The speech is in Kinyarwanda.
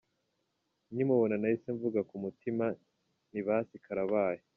Nkimubona nahise mvuga ku mutima nti basi karabaye.